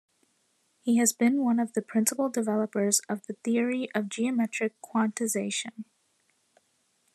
He has been one of the principal developers of the theory of geometric quantization.